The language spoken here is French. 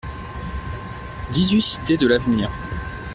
dix-huit cité de l'Avenir